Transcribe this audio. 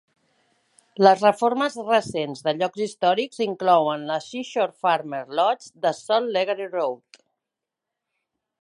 Les reformes recents de llocs històrics inclouen la Seashore Farmer's Lodge de Sol Legare Road.